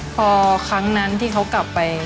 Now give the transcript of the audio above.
พอครั้งนั้นที่เขากลับไป